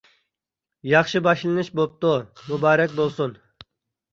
ياخشى باشلىنىش بوپتۇ، مۇبارەك بولسۇن.